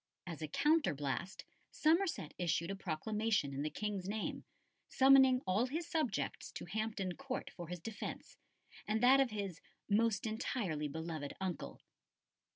As a counterblast, Somerset issued a proclamation in the King's name, summoning all his subjects to Hampton Court for his defence and that of his "most entirely beloved uncle."